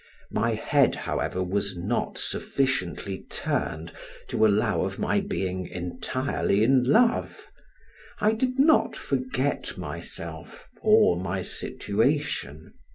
My head, however, was not sufficiently turned to allow of my being entirely in love; I did not forget myself, or my situation.